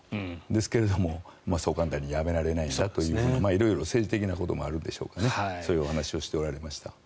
ですけれどもそう簡単にやめられないんだという色々、政治的なこともあるでしょうからそういうお話をしておられました。